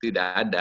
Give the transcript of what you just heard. tidak ada ya